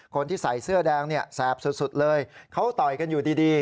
คนที่ใส่เสื้อแดงเนี่ยแสบสุดเลยเขาต่อยกันอยู่ดี